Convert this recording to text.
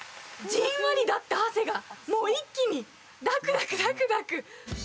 じんわりだった汗が一気にダクダクダクダク。